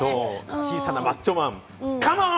小さなマッチョマン、カモン！